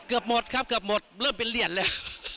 เกือบหมดครับเกือบหมดเริ่มเป็นเหรียญเลย